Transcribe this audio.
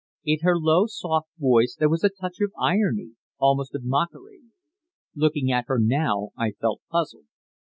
In her low, soft voice there was a touch of irony, almost of mockery. Looking at her now, I felt puzzled.